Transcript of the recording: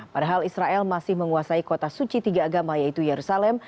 padahal israel masih menguasai kota suci tiga agama yaitu yerusalem